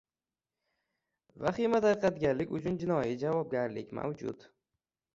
Vahima tarqatganlik uchun jinoiy javobgarlik mavjud